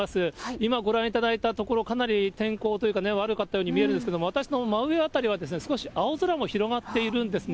今、ご覧いただいた所、かなり天候というか、悪かったように見えるんですけれども、私の真上辺りは少し青空も広がっているんですね。